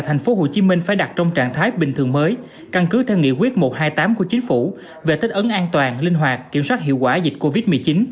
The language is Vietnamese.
tp hcm phải đặt trong trạng thái bình thường mới căn cứ theo nghị quyết một trăm hai mươi tám của chính phủ về tích ấn an toàn linh hoạt kiểm soát hiệu quả dịch covid một mươi chín